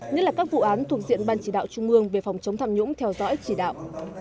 nhất là các vụ án thuộc diện ban chỉ đạo trung ương về phòng chống tham nhũng theo dõi chỉ đạo